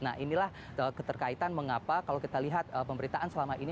nah inilah keterkaitan mengapa kalau kita lihat pemberitaan selama ini